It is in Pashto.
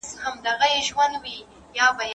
سالم خوراک محدودیت نه دی.